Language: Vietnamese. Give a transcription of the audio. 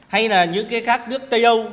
hay là những cái khác nước tây âu